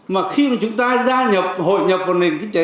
mà khi mà chúng ta gia nhập hội nhập vào nền kinh tế